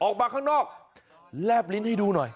ออกมาข้างนอกแลบลิ้นให้ดูหน่อย